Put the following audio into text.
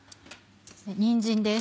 にんじんです。